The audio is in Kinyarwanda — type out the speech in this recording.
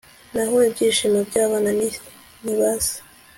naho ibyishimo by'abana ni ba se